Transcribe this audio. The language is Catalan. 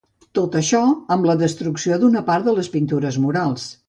Tot això, amb la destrucció d'una part de les pintures murals.